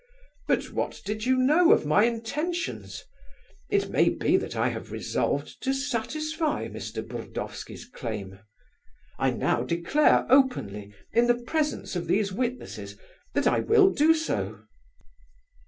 But what did you know of my intentions? It may be that I have resolved to satisfy Mr. Burdovsky's claim. I now declare openly, in the presence of these witnesses, that I will do so."